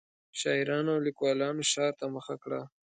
شاعرانو او لیکوالانو ښار ته مخه کړه.